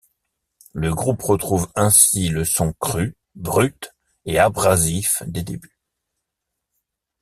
Le groupe retrouve ainsi le son cru, brut et abrasif des débuts.